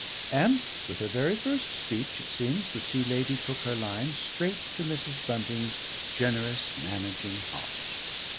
And with her very first speech, it seems, the Sea Lady took her line straight to Mrs. Bunting's generous managing heart.